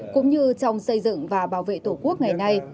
cũng như trong xây dựng và bảo vệ tổ quốc ngày nay